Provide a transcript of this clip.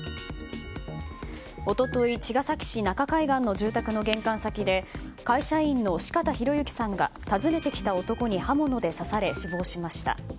一昨日、茅ヶ崎市中海岸の住宅の玄関先で会社員の四方洋行さんが訪ねてきた男に刃物で刺され、死亡しました。